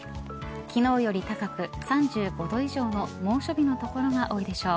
昨日より高く、３５度以上の猛暑日の所が多いでしょう。